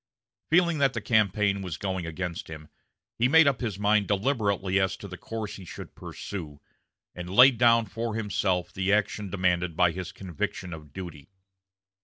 Feeling that the campaign was going against him, he made up his mind deliberately as to the course he should pursue, and laid down for himself the action demanded by his conviction of duty.